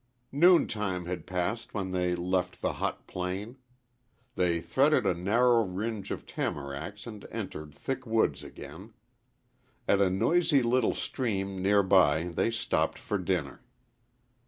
Noon time had passed when they left the hot plain. They threaded a narrow fringe of tamaracks and entered thick woods again. At a noisy little stream near by they stopped for dinner.